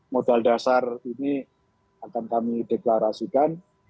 modal dasar ini akan kami deklarasikan